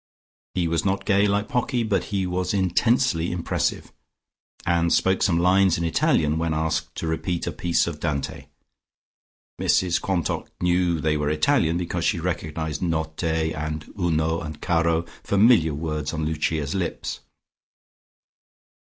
He was not gay like Pocky, but he was intensely impressive, and spoke some lines in Italian, when asked to repeat a piece of Dante. Mrs Quantock knew they were Italian, because she recognised "notte" and "uno" and "caro," familiar words on Lucia's lips.